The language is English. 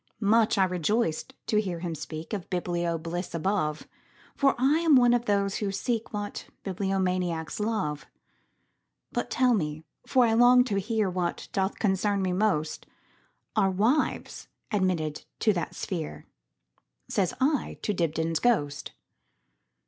Much I rejoiced to hear him speakOf biblio bliss above, For I am one of those who seekWhat bibliomaniacs love."But tell me, for I long to hearWhat doth concern me most, Are wives admitted to that sphere?"Says I to Dibdin's ghost.